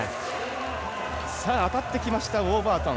あたってきましたウォーバートン。